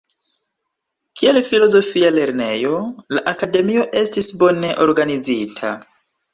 Kiel filozofia lernejo, la Akademio estis bone organizita.